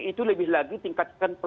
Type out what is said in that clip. itu lebih lagi tingkatkan pelayanan terbaru